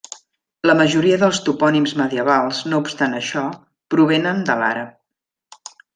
La majoria dels topònims medievals, no obstant això, provenen de l'àrab.